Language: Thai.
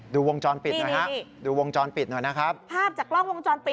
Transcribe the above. วงจรปิดหน่อยฮะดูวงจรปิดหน่อยนะครับภาพจากกล้องวงจรปิด